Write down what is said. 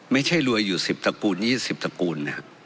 ไม่ใช่รวยอยู่๑๐ตระกูล๒๐ตระกูล